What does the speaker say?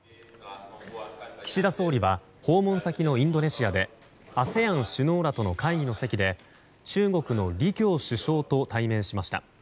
岸田総理は訪問先のインドネシアでＡＳＥＡＮ首脳らとの会議の席で中国の李強首相と対面しました。